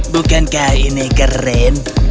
bukankah ini keren